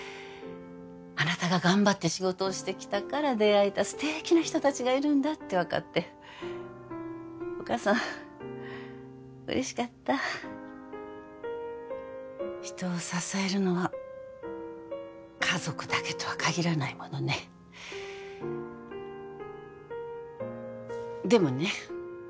あなたが頑張って仕事をしてきたから出会えた素敵な人達がいるんだって分かってお母さん嬉しかった人を支えるのは家族だけとは限らないものねでもね